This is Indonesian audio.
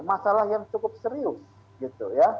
masalah yang cukup serius gitu ya